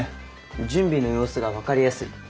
準備の様子が分かりやすい。